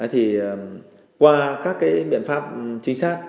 thì qua các cái biện pháp trinh sát